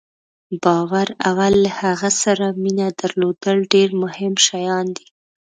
باور او له هغه سره مینه درلودل ډېر مهم شیان دي.